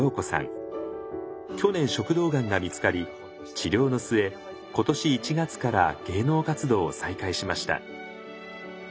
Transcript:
去年食道がんが見つかり治療の末今年１月から芸能活動を再開しました。